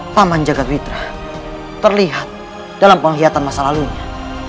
paman jagadwitra terlihat dalam penghiliatan masa lalunya